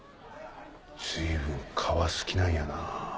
随分皮好きなんやなぁ。